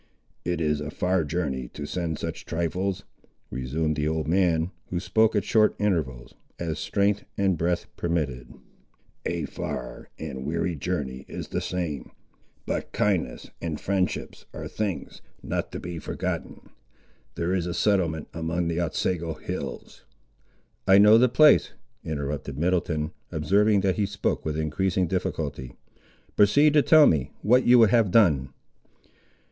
"It is a far journey to send such trifles," resumed the old man, who spoke at short intervals, as strength and breath permitted; "a far and weary journey is the same; but kindnesses and friendships are things not to be forgotten. There is a settlement among the Otsego hills—" "I know the place," interrupted Middleton, observing that he spoke with increasing difficulty; "proceed to tell me, what you would have done."